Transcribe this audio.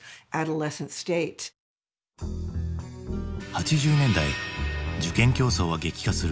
８０年代受験競争は激化する。